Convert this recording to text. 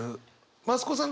増子さん